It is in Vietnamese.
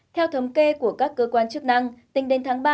theo thống kê của các cơ quan chức năng tính đến tháng ba